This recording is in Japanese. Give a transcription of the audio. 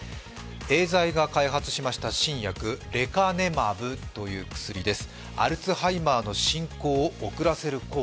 エーザイが開発しました新薬レカネマブという薬です。